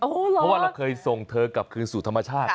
เพราะว่าเราเคยส่งเธอกลับคืนสู่ธรรมชาติ